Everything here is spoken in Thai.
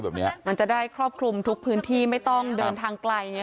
เหมือนออนไซด์มันจะได้ครอบคลุมทุกพื้นที่ไม่ต้องเดินทางไกล